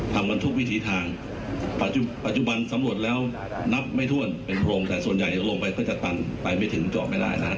ทำกันทุกวิธีทางปัจจุปัจจุบันสำหรวดแล้วนับไม่ท่วนเป็นโพรงแต่ส่วนใหญ่ลงไปก็จะตันไปไม่ถึงเจาะไม่ได้นะครับ